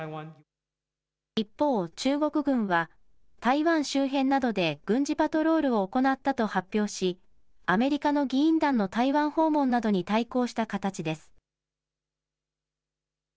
一方、中国軍は、台湾周辺などで軍事パトロールを行ったと発表し、アメリカの議員団の台湾訪問などに対抗した形です。